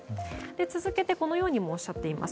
続けて、このようにもおっしゃっています。